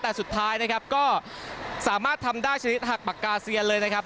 แต่สุดท้ายนะครับก็สามารถทำได้ชนิดหักปากกาเซียนเลยนะครับ